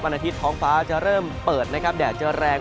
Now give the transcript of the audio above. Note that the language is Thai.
วันอาทิตย์ท้องฟ้าจะเริ่มเปิดแดดแรง